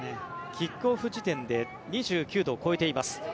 キックオフ時点で２９度を超えています。